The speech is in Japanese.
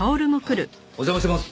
お邪魔します。